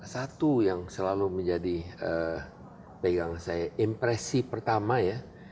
satu yang selalu menjadi pegang saya impresi pertama ya